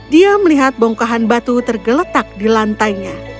dia melihat bongkahan batu tergeletak di lantainya